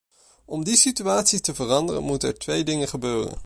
Om die situatie te veranderen moeten er twee dingen gebeuren.